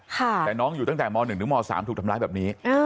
แต่น้องอยู่ตั้งแต่ม๑ถึงม๓ถูกทำร้ายแบบนี้